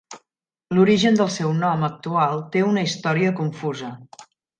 L'origen del seu nom actual té una història confusa.